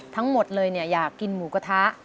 ทั้งหมดเลยอยากกินหมูกระทะ